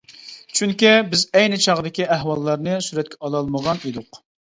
چۈنكى بىز ئەينى چاغدىكى ئەھۋاللارنى سۈرەتكە ئالالمىغان ئىدۇق.